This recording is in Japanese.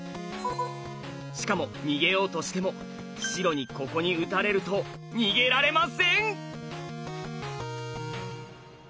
しかも逃げようとしても白にここに打たれると逃げられません！